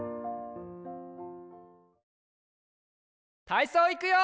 たいそういくよ！